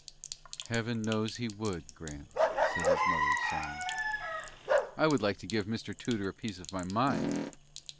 "Heaven knows he would, Grant," said his mother, sighing. "I would like to give Mr. Tudor a piece of my mind."